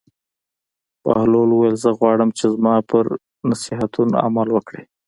بهلول وویل: زه غواړم چې زما پر نصیحتونو عمل وکړې.